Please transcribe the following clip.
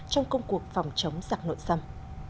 trong công cuộc phòng chống giặc nội xâm